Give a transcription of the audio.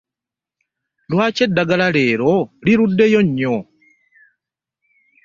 Lwaki eddagala leero lirudeyo nnyo?